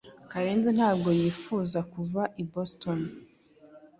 Karenzi ntabwo yifuza kuva i Boston.